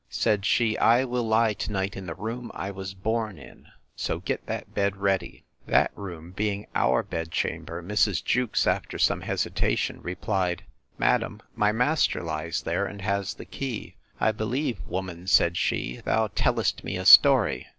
Said she, I will lie to night in the room I was born in; so get that bed ready. That room being our bedchamber, Mrs. Jewkes, after some hesitation, replied, Madam, my master lies there, and has the key. I believe, woman, said she, thou tellest me a story.